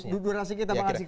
durasi kita akan kembali